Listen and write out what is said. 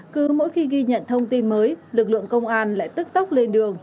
cứ mỗi khi ghi nhận thông tin mới lực lượng công an lại tức tốc lên đường